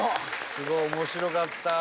すごい面白かった。